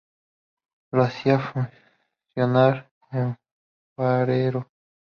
Lo hacía funcionar un farero.